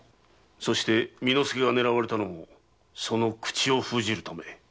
そして巳之助が狙われたのもその口を封じるため。